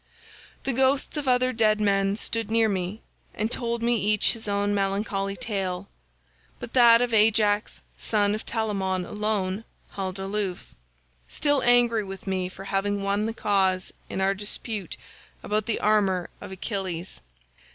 "The ghosts of other dead men stood near me and told me each his own melancholy tale; but that of Ajax son of Telamon alone held aloof—still angry with me for having won the cause in our dispute about the armour of Achilles.